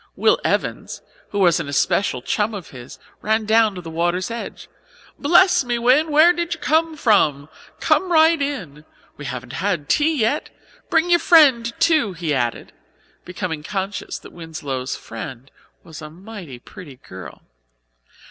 Will Evans, who was an especial chum of his, ran down to the water's edge. "Bless me, Win, where did you come from? Come right in. We haven't had tea yet. Bring your friend too," he added, becoming conscious that Winslow's friend was a mighty pretty girl.